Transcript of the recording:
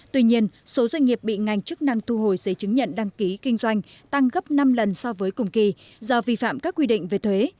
tuy nhiên số doanh nghiệp bị ngành chức năng thu hồi giấy chứng nhận đăng ký kinh doanh tăng gấp năm lần so với cùng kỳ do vi phạm các quy định về thuế